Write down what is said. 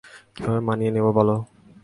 কীভাবে মানিয়ে নেব, বলো?